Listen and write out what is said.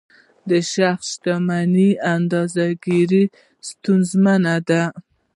شخص شتمني اندازه ګیري ستونزمنه ده.